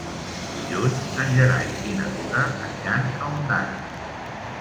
Dilluns en Gerai i na Tura aniran a Ondara.